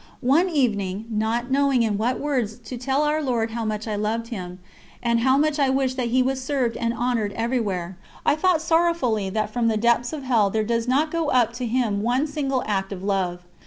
One evening, not knowing in what words to tell Our Lord how much I loved him, and how much I wished that He was served and honoured everywhere, I thought sorrowfully that from the depths of hell there does not go up to Him one single act of love.